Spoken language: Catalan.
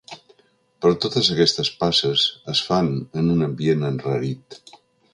Però totes aquestes passes es fan en un ambient enrarit.